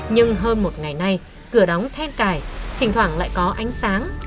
nhưng hơn một ngày nay cửa đóng then cài thỉnh thoảng lại có ánh sáng